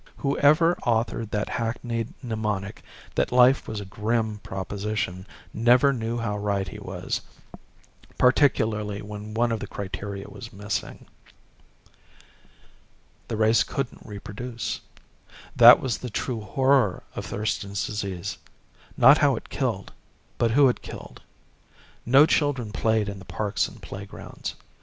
Whoever had authored that hackneyed mnemonic that life was a "grim" proposition never knew how right he was, particularly when one of the criteria was missing. The race couldn't reproduce. That was the true horror of Thurston's Disease not how it killed, but who it killed. No children played in the parks and playgrounds.